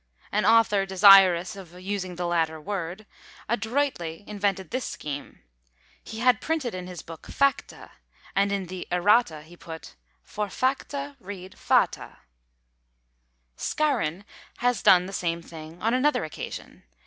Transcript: An author, desirous of using the latter word, adroitly invented this scheme; he had printed in his book facta, and, in the errata, he put, "For facta, read fata." Scarron has done the same thing on another occasion.